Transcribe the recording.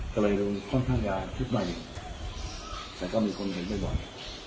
ก็เลยดูค่อนข้างยาทุกหน่อยแต่ก็มีคนเห็นด้วยก่อน